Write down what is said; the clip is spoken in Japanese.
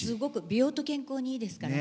美容と健康にいいですからね。